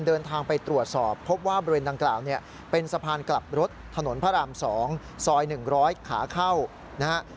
เดินทางไปตรวจสอบพบว่าบริเวณดังกล่าวเนี่ยเป็นสะพานกลับรถถนนพระราม๒ซอย๑๐๐ขาเข้านะฮะ